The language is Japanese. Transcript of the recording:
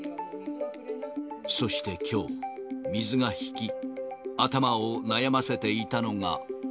そしてきょう、水が引き、頭を悩ませていたのが。